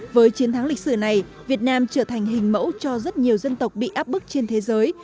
với chiến thắng lịch sử này việt nam trở thành hình mẫu cho rất nhiều dân tộc bị áp bức trên thế giới